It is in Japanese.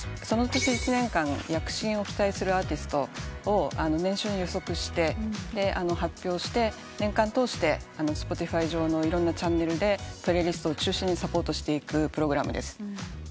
その年１年間躍進を期待するアーティストを年初に予測して発表して年間通してＳｐｏｔｉｆｙ上のいろんなチャンネルでプレイリストを中心にサポートしていくプログラムです。